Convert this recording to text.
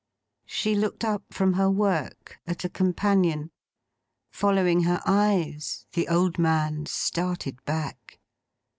She looked up from her work, at a companion. Following her eyes, the old man started back.